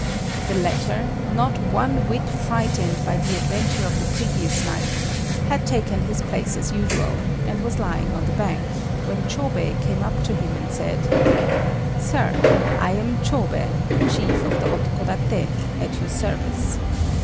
The latter, not one whit frightened by the adventure of the previous night, had taken his place as usual, and was lying on the bank, when Chôbei came up to him, and said "Sir, I am Chôbei, the chief of the Otokodaté, at your service.